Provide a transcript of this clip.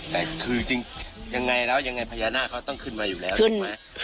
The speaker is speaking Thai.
แต่คือจริงยังไงแล้วยังไงพญานาคเขาต้องขึ้นมาอยู่แล้วถูกไหม